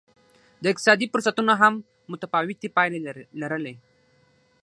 د اقتصادي فرصتونو هم متفاوتې پایلې لرلې.